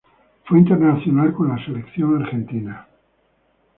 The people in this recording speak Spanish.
Fue internacional con la Selección Argentina.